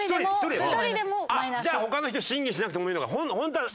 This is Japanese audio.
じゃあ他の人審議しなくてもいいのか。